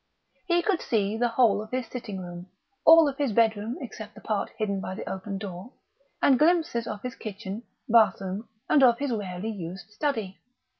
He could see the whole of his sitting room, all of his bedroom except the part hidden by the open door, and glimpses of his kitchen, bathroom, and of his rarely used study.